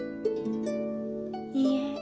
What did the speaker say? いえ。